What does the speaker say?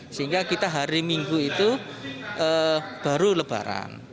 sehingga kita hari minggu itu baru lebaran